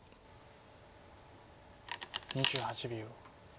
２８秒。